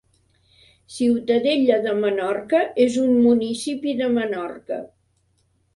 Ciutadella de Menorca és un municipi de Menorca.